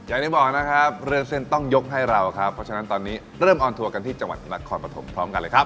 อย่างที่บอกนะครับเรื่องเส้นต้องยกให้เราครับเพราะฉะนั้นตอนนี้เริ่มออนทัวร์กันที่จังหวัดนครปฐมพร้อมกันเลยครับ